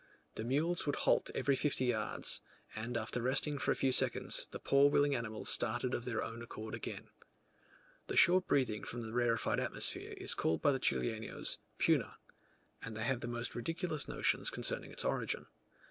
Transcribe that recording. The mules would halt every fifty yards, and after resting for a few seconds the poor willing animals started of their own accord again. The short breathing from the rarefied atmosphere is called by the Chilenos "puna;" and they have most ridiculous notions concerning its origin.